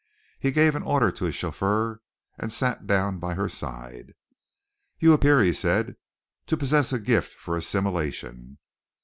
He gave an order to his chauffeur, and sat down by her side. "You appear," he said, "to possess a gift for assimilation!"